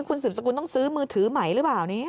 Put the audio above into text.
คุณสืบสกุลต้องซื้อมือถือใหม่หรือเปล่าเนี่ย